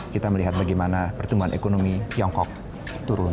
kita melihat bagaimana pertumbuhan ekonomi tiongkok turun